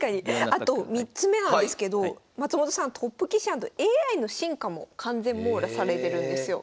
あと３つ目なんですけど松本さんトップ棋士＆ＡＩの進化も完全網羅されてるんですよ。